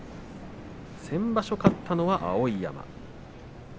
先場所勝ったのは碧山。